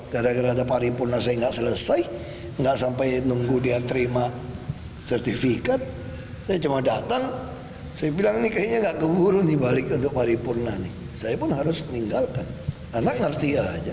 gara gara hari purnas saya tidak selesai tidak sampai menunggu dia terima sertifikat saya cuma datang saya bilang ini kayaknya tidak keburu balik untuk hari purnas saya pun harus meninggalkan anak ngerti aja